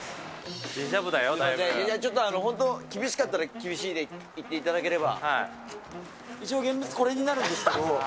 いや、ちょっと、厳しかったら厳しいって言っていただければ。